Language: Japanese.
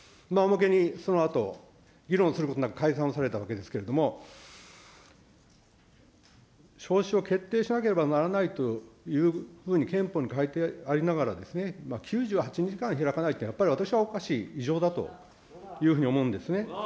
そのあと、議論することなく解散されたわけですけれども、召集を決定しなければならないというふうに憲法に書いてありながら、９８日間開かないって、やっぱり私はおかしい、異常だというふうに思うんですね。